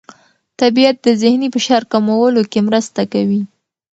طبیعت د ذهني فشار کمولو کې مرسته کوي.